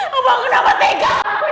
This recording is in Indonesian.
ya mbak tau mbak tau